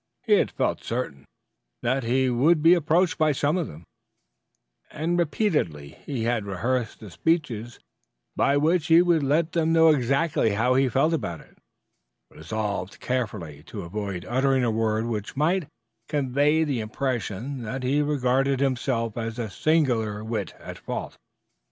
He had felt certain that he would be approached by some of them, and repeatedly he had rehearsed the speeches by which he would let them know exactly how he felt about it, resolved carefully to avoid uttering a word which might convey the impression that he regarded himself as a single whit at fault.